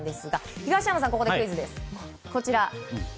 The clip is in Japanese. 東山さん、ここでクイズです。